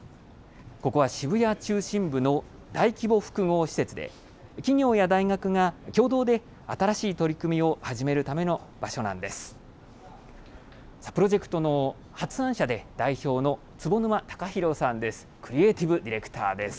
ここは渋谷中心部の大規模複合施設で、企業や大学が共同で新しい取り組みを始めるための場所なんです。